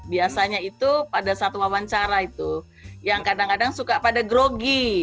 biasanya itu pada saat wawancara itu yang kadang kadang suka pada grogi